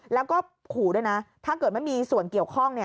แล้วก็ขู่ด้วยนะถ้าเกิดไม่มีส่วนเกี่ยวข้อง